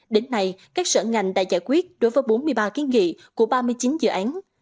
đến nay các sở ngành đã giải quyết đối với bốn mươi ba kiến nghị của ba mươi chín dự án